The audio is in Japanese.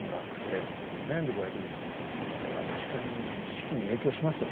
これは確かに士気に影響しますわね。